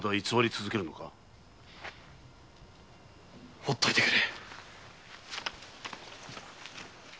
ほっといてくれ！